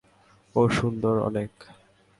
ও সুন্দর অনেক।